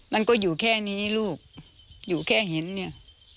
มันก็อยู่แค่นี้ลูกอยู่แค่เห็นเนี่ย